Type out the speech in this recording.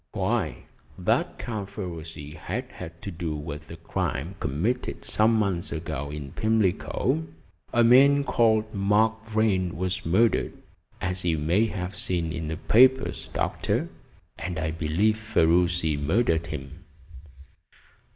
"Why, that Count Ferruci has had to do with a crime committed some months ago in Pimlico. A man called Mark Vrain was murdered, as you may have seen in the papers, Doctor, and I believe Ferruci murdered him."